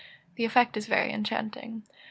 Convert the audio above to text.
The effect is very enchanting.